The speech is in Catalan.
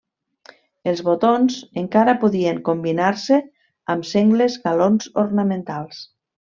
Els botons, encara, podien combinar-se amb sengles galons ornamentals.